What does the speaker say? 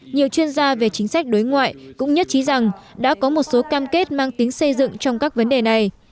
nhiều chuyên gia về chính sách đối ngoại cũng nhất trí rằng đã có một số cam kết mang tính xây dựng trong các vấn đề này